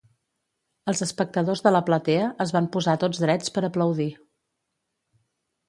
Els espectadors de la platea es van posar tots drets per aplaudir